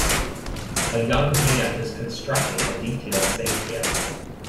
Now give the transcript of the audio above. A young man is constructing a detailed sand castle.